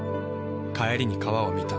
帰りに川を見た。